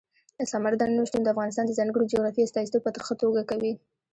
سمندر نه شتون د افغانستان د ځانګړي جغرافیې استازیتوب په ښه توګه کوي.